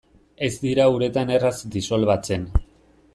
Ez dira uretan erraz disolbatzen.